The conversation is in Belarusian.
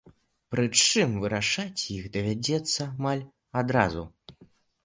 Прычым вырашаць іх давядзецца амаль адразу.